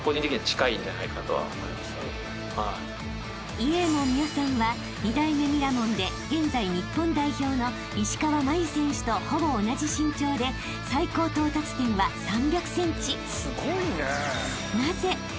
［イェーモンミャさんは二代目ミラモンで現在日本代表の石川真佑選手とほぼ同じ身長で最高到達点は３００ｃｍ］